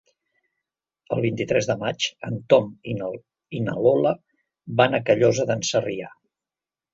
El vint-i-tres de maig en Tom i na Lola van a Callosa d'en Sarrià.